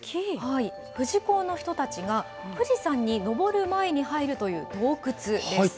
富士講の人たちが、富士山に登る前に入るという洞窟です。